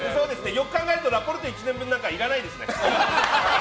よく考えるとラ・ポルト１年分なんていらないですね。